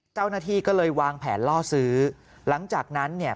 เจ้าหน้าที่ก็เลยวางแผนล่อซื้อหลังจากนั้นเนี่ย